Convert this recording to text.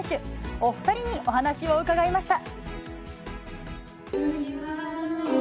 お２人にお話を伺いました。